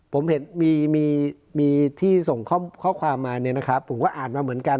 ผมเห็นมีที่ส่งข้อความมาเนี่ยนะครับผมก็อ่านมาเหมือนกัน